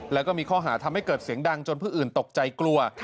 แล้วก็มีข้อหาทำให้เกิดเสียงดังจนผู้อื่นตกใจกลัว